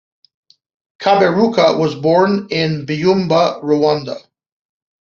Kaberuka was born in Byumba, Rwanda.